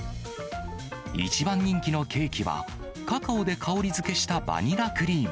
一番人気のケーキは、カカオで香りづけしたバニラクリーム。